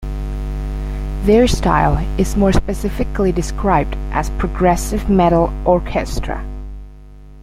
Their style is more specifically described as "Progressive metal Orchestra".